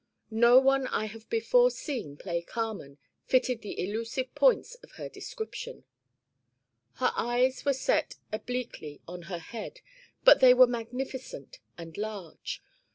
No one I have before seen play Carmen fitted the elusive points of her description. 'Her eyes were set obliquely in her head but they were magnificent and large.